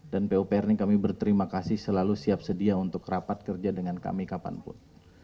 dan pupr ini kami berterima kasih selalu siap sedia untuk rapat kerja dengan kami kapanpun